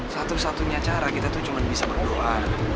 satu satunya cara kita itu cuma bisa berdoa